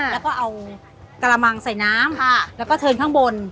แล้วก็เอากระมังใส่น้ำแล้วก็เทินข้างบน